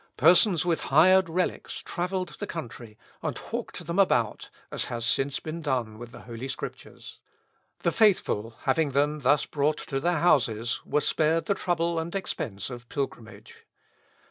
Persons with hired relics travelled the country, and hawked them about, as has since been done with the Holy Scriptures. The faithful, having them thus brought to their houses, were spared the trouble and expence of pilgrimage.